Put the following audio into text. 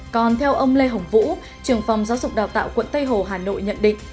còn theo ông lê hồng vũ trường phòng giáo dục đào tạo quận tây hồ hà nội nhận định